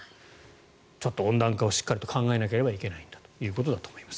ちょっと温暖化をしっかりと考えなければいけないということだと思います。